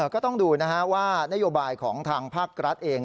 ก็ต้องดูนะฮะว่านโยบายของทางภาครัฐเอง